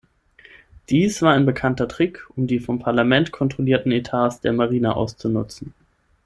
Dies war ein bekannter Trick, um die vom Parlament kontrollierten Etats der Marine auszunutzen.